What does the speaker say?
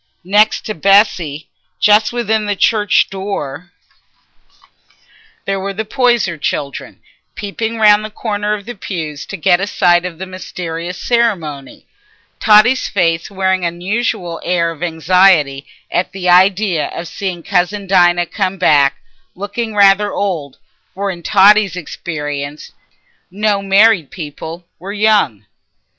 Next to Bessy, just within the church door, there were the Poyser children, peeping round the corner of the pews to get a sight of the mysterious ceremony; Totty's face wearing an unusual air of anxiety at the idea of seeing cousin Dinah come back looking rather old, for in Totty's experience no married people were young.